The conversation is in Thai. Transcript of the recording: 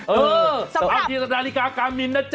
เออสำหรับนาฬิกาการ์มิ้นนะจ๊ะ